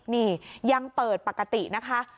นี่ยังเปิดปกตินะคะ